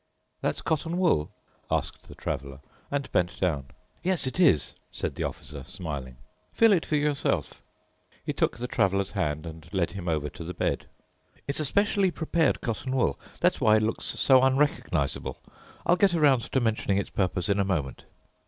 "That's cotton wool?" asked the Traveler and bent down. "Yes, it is," said the Officer smiling, "feel it for yourself." He took the Traveler's hand and led him over to the bed. "It's a specially prepared cotton wool. That's why it looks so unrecognizable. I'll get around to mentioning its purpose in a moment."